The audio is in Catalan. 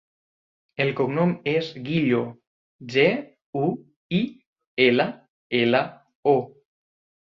El cognom és Guillo: ge, u, i, ela, ela, o.